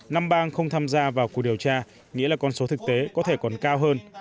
năm bang không tham gia vào cuộc điều tra nghĩa là con số thực tế có thể còn cao hơn